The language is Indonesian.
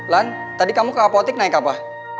lan tadi kamu ke apotik naik apa